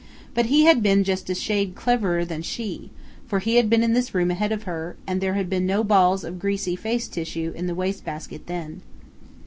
But he had been just a shade cleverer than she, for he had been in this room ahead of her, and there had been no balls of greasy face tissue in the wastebasket then!